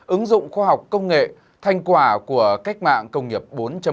ứng dụng khoa học công nghệ thành quả của cách mạng công nghiệp bốn